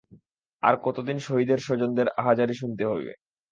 আর কত দিন শহীদের স্বজনদের আহাজারি শুনতে হবে